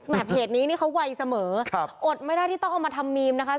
เหนือเพจนี้มันไวเสมออดไม่ได้ต้องเอามาทำมีมนะคะ